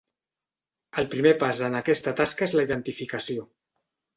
El primer pas en aquesta tasca és la identificació.